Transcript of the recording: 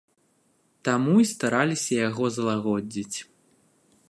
Таму і стараліся яго залагодзіць.